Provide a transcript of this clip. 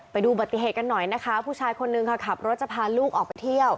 ไปดูบัติเหตุกันหน่อยนะคะผู้ชายคนนึงค่ะขับรถจะพาลูกออกไปเที่ยว